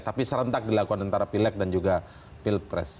tapi serentak dilakukan antara pilek dan juga pilpres